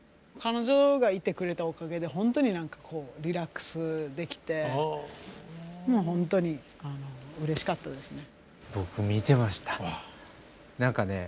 彼女がいてくれたおかげでほんとに何かこうリラックスできてもうほんとにうれしかったですね。